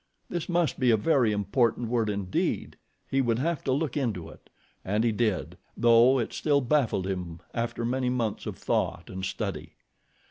This must be a very important word indeed, he would have to look into it, and he did, though it still baffled him after many months of thought and study.